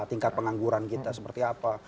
tingkat pengangguran kita seperti apa